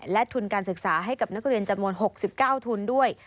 และทุนการศึกษาให้กับนักเรียนจำนวน๖๙ทุนด้วย